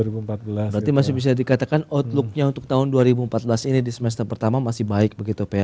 berarti masih bisa dikatakan outlooknya untuk tahun dua ribu empat belas ini di semester pertama masih baik begitu pak ya